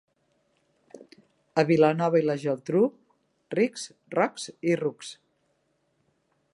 A Vilanova i la Geltrú, rics, rocs i rucs.